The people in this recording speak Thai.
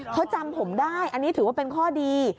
เขาจำผมได้อันนี้ถือว่าเป็นข้อดี